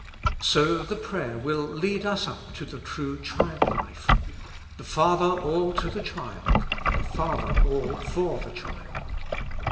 So the prayer will lead us up to the true child life; the Father all to the child, the Father all for the child.